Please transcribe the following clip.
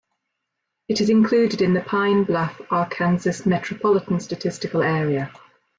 It is included in the Pine Bluff, Arkansas Metropolitan Statistical Area.